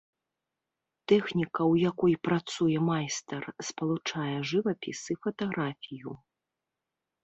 Тэхніка, ў якой працуе майстар, спалучае жывапіс і фатаграфію.